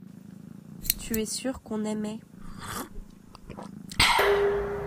tu es sûr qu'on aimaient.